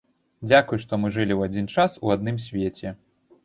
Дзякуй, што мы жылі ў адзін час у адным свеце.